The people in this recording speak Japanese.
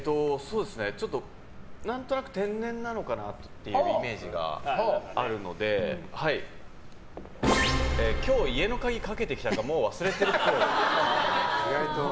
ちょっと何となく天然なのかなっていうイメージがあるので今日、家の鍵かけてきたかもう忘れてるっぽい。